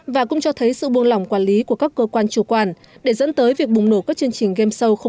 và cũng cho thấy sự buông lỏng quản lý của các cơ quan chủ quản để dẫn tới việc bùng nổ các chương trình game show không